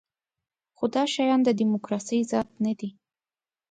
خو دا شیان د دیموکراسۍ ذات نه دی.